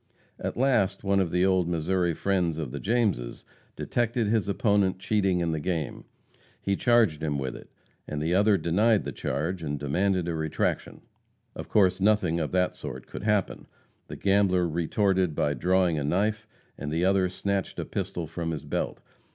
At last one of the old Missouri friends of the Jameses detected his opponent cheating in the game. He charged him with it, and the other denied the charge and demanded a retraction. Of course nothing of that sort could happen. The gambler retorted by drawing a knife, and the other snatched a pistol from his belt.